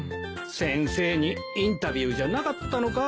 先生にインタビューじゃなかったのか。